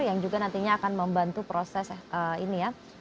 yang juga nantinya akan membantu proses ini ya